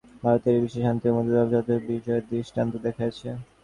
ভারতই ঐ বিষয়ে শান্তি ও মৃদুতারূপ যথার্থ বীর্যের দৃষ্টান্ত দেখাইয়াছে।